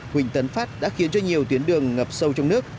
huỳnh tấn phát đã khiến cho nhiều tuyến đường ngập sâu trong nước